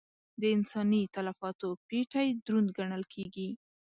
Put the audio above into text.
د انساني تلفاتو پېټی دروند ګڼل کېږي.